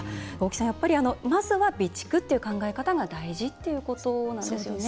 やっぱり、まずは備蓄っていう考え方が大事ってことなんですよね。